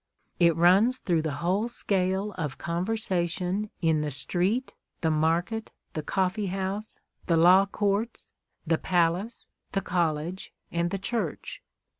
It runs through the whole scale of conversation in the street, the market, the coffee house, the law courts, the palace, the college, and the church.